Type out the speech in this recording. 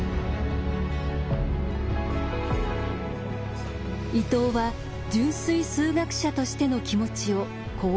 伊藤は純粋数学者としての気持ちをこう書きました。